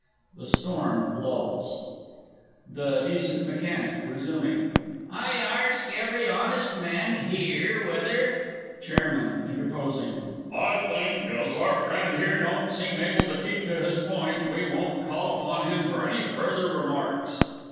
[The storm lulls. THE D. M. (resuming). I arsk every honest man here whether Chairman (interposing). I think, as our friend here don't seem able to keep to his point, we won't call upon him for any further remarks.